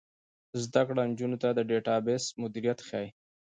زده کړه نجونو ته د ډیټابیس مدیریت ښيي.